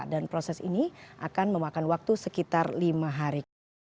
dan proses ini akan memakan waktu sekitar lima hari